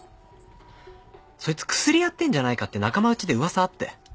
そいつクスリやってんじゃないかって仲間うちで噂あって。